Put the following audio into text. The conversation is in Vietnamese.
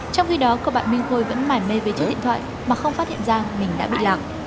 trong khi đó cậu bạn minh khôi vẫn mải mê với chiếc điện thoại mà không phát hiện ra mình đã bị lạc